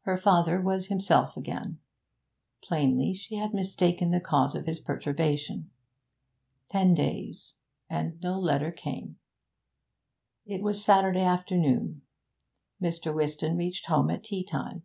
Her father was himself again; plainly she had mistaken the cause of his perturbation. Ten days, and no letter came. It was Saturday afternoon. Mr. Whiston reached home at tea time.